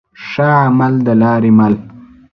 ښه عمل دلاري مل